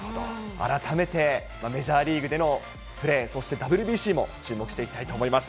改めてメジャーリーグでのプレー、そしてＷＢＣも注目していきたいと思います。